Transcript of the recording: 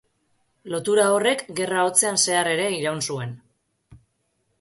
Lotura horrek Gerra Hotzean zehar ere iraun zuen.